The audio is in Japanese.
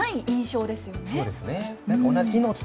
そうですね。